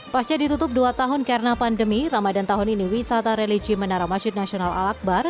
pasca ditutup dua tahun karena pandemi ramadan tahun ini wisata religi menara masjid nasional al akbar